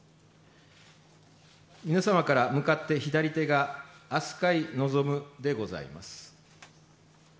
皆様から向かって左手が飛鳥井望でございます。